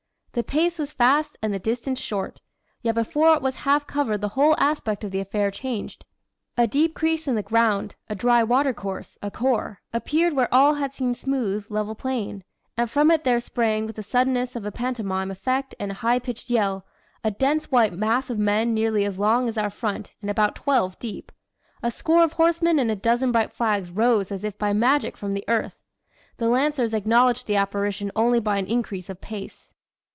The pace was fast and the distance short. Yet before it was half covered the whole aspect of the affair changed. A deep crease in the ground a dry watercourse, a khor appeared where all had seemed smooth, level plain; and from it there sprang, with the suddenness of a pantomime effect and a high pitched yell, a dense white mass of men nearly as long as our front and about twelve deep. A score of horsemen and a dozen bright flags rose as if by magic from the earth. The Lancers acknowledged the apparition only by an increase of pace."